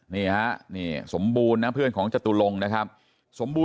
นี่สมบูรณ์แล้วเพื่อนของจตุลงค์นะครับ